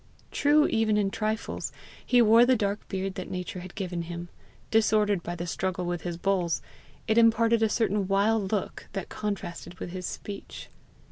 True even in trifles, he wore the dark beard that nature had given him; disordered by the struggle with his bulls, it imparted a certain wild look that contrasted with his speech.